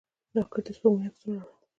راکټ د سپوږمۍ عکسونه راوړل